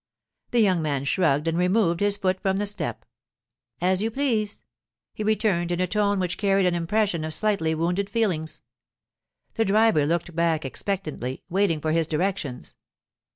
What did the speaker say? The young man shrugged and removed his foot from the step. 'As you please,' he returned in a tone which carried an impression of slightly wounded feelings. The driver looked back expectantly, waiting for his directions.